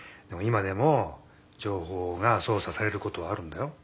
でも今でも情報がそう作されることはあるんだよ。